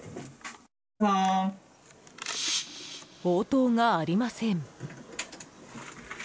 応答がありません。